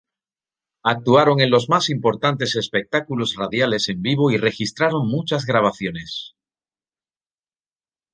Actuaron en los más importantes espectáculos radiales en vivo y registraron muchas grabaciones.